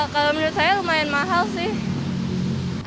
kalau menurut saya lumayan mahal sih